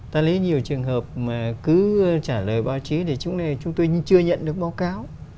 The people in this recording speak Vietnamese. ta lấy nhiều trường hợp mà cứ trả lời báo chí thì chúng tôi chưa nhận được báo cáo